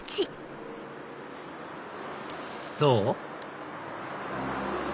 どう？